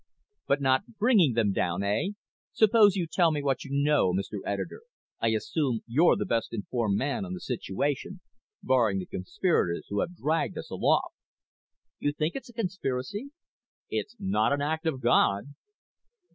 "But not bringing them down, eh? Suppose you tell me what you know, Mr. Editor. I assume you're the best informed man on the situation, barring the conspirators who have dragged us aloft." "You think it's a conspiracy?" "It's not an act of God."